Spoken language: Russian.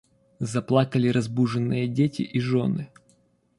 Заплакали разбуженные дети и жены.